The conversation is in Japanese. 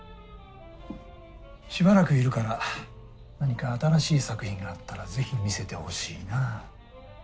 しばらくいるから何か新しい作品があったら是非見せてほしいなあ。